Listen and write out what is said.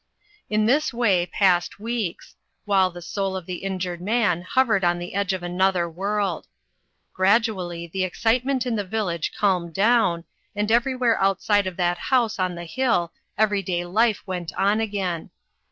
In this way passed weeks, while the soul of the injured man hovered on the edge of another world. Gradually the excitement in the village calmed down, and everywhere outside of that house on the hill every day life went on again.